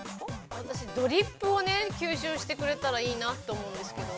◆私、ドリップを吸収してくれたらいいなと思うんですけれども。